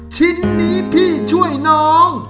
ชิ้นนี้พี่ช่วยน้อง